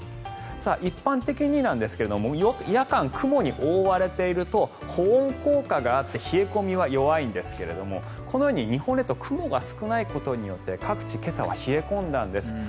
一般的にですが夜間、雲に覆われていると保温効果があって冷え込みは弱いんですがこのように日本列島雲が少ないことによって各地、今朝は冷え込んだんです。